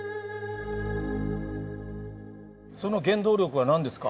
その原動力は何ですか？